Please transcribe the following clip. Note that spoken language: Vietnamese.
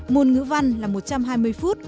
môn ngữ văn là một trăm hai mươi phút